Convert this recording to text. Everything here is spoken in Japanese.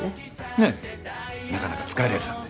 ええなかなか使えるやつなんで。